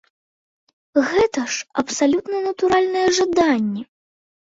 Гэта ж абсалютна натуральнае жаданне.